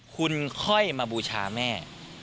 คุณค่อยมาบูชาแม่